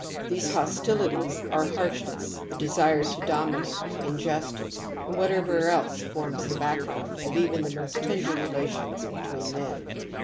These hostilities are harshness, the desire to dominate, injustice, and whatever else forms the background of even the most tender relations between men.